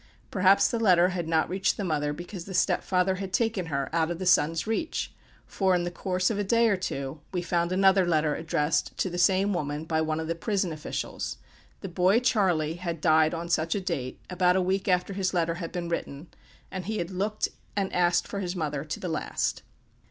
Perhaps the letter had not reached the mother because the step father had taken her out of the son's reach; for, in the course of a day or two, we found another letter addressed to the same woman, by one of the prison officials: the boy, Charley, had died on such a date about a week after his letter had been written and he had looked and asked for his mother to the last.